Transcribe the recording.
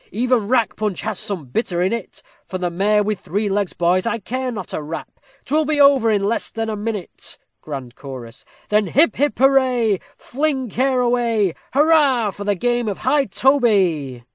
Even rack punch has some bitter in it, For the mare with three legs, boys, I care not a rap, 'Twill be over in less than a minute. GRAND CHORUS _Then hip, hurrah! Fling care away! Hurrah for the game of high toby!